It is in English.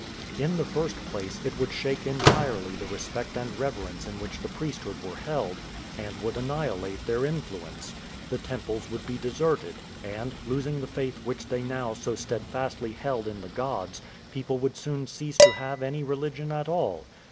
In the first place, it would shake entirely the respect and reverence in which the priesthood were held, and would annihilate their influence. The temples would be deserted, and, losing the faith which they now so steadfastly held in the gods, people would soon cease to have any religion at all.